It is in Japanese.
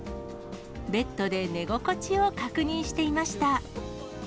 ベッドで寝心地を確認していました。